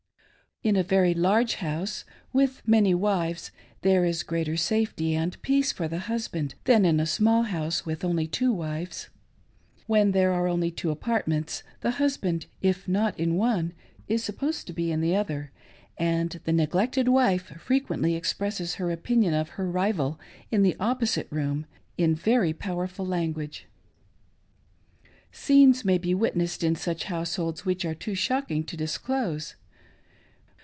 In a very large house, with many wives, there is greater safety and peace for the husband than in a small house with only two wives. When there are only two apartments, th? husband, if not in one is supposed to be in the other, and th^ neglected wife frequently ejfpresses her opinion of her rival JJJ the opposite room in very powerful language. Scenes may be witnessed in such households which are too shocking to dis close.